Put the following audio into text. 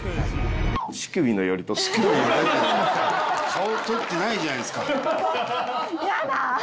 顔撮ってないじゃないですか。